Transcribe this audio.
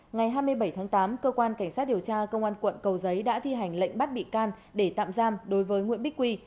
ngày hai mươi bảy tháng tám cơ quan cảnh sát điều tra công an quận cầu giấy đã thi hành lệnh bắt bị can để tạm giam đối với nguyễn bích quy